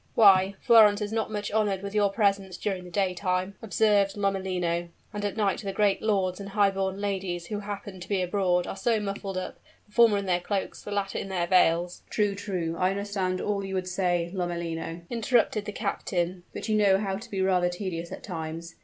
"Why, Florence is not much honored with your presence during the day time," observed Lomellino; "and at night the great lords and high born ladies who happen to be abroad, are so muffled up the former in their cloaks, the latter in their veils " "True true; I understand all you would say, Lomellino," interrupted the captain; "but you know how to be rather tedious at times.